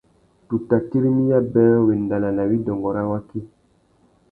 Tu tà tirimiya being wendana na widôngô râ waki.